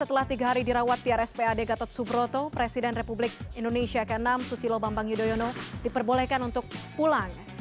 setelah tiga hari dirawat di rspad gatot subroto presiden republik indonesia ke enam susilo bambang yudhoyono diperbolehkan untuk pulang